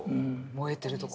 燃えてるとこ。